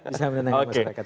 bisa menenangkan masyarakat